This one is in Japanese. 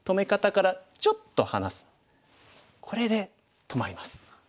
これで止まります。